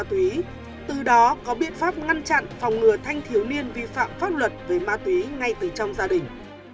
từ đó có biện pháp ngăn chặn phòng ngừa thanh thiếu niên vi phạm pháp luật về ma túy ngay từ trong gia đình